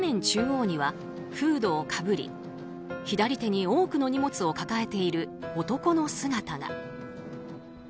中央にはフードをかぶり左手に多くの荷物を抱えている男の姿が。